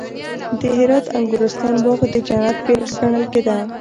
د هرات د انګورستان باغ د جنت بېلګه ګڼل کېده